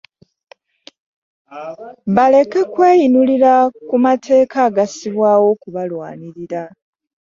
Baleke kweyinulira ku mateeka agassibwawo okubalwanirira.